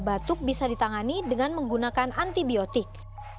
batuk bisa ditangani dengan menggunakan antibiotik